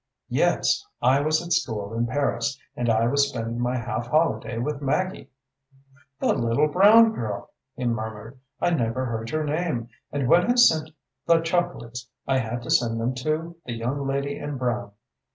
"Yes! I was at school in Paris, and I was spending my half holiday with Maggie." "The little brown girl!" he murmured. "I never heard your name, and when I sent the chocolates I had to send them to 'the young lady in brown.'